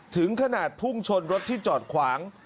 ถึงขนาดพุ่งชนรถที่จอดขวาง